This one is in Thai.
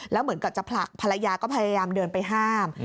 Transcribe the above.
แล้วเหมือนกับจะผลักภรรยาก็พยายามเดินไปห้าม